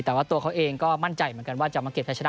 แต่ว่าตัวเขาเองก็มั่นใจเหมือนกันว่าจะมาเก็บใช้ชนะ